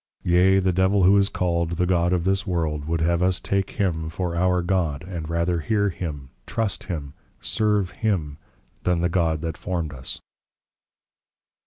_ Yea, the Devil who is called, The God of this World, would have us to take Him for Our God, and rather Hear Him, Trust Him, Serve Him, than the God that formed us.